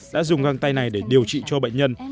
đã dùng găng tay này để điều trị cho bệnh nhân